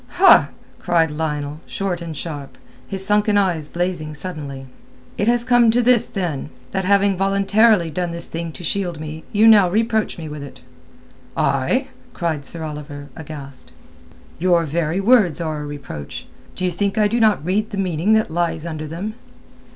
"Ha!" cried Lionel, short and sharp, his sunken eyes blazing suddenly. "It has come to this, then, that having voluntarily done this thing to shield me you now reproach me with it." "I?" cried Sir Oliver, aghast. "Your very words are a reproach. D'ye think I do not read the meaning that lies under them?"